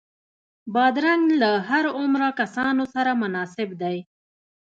بادرنګ له هر عمره کسانو سره مناسب دی.